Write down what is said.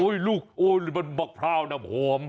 โอ้ยลูกโอ้ยมันมะพร้าวน้ำหวม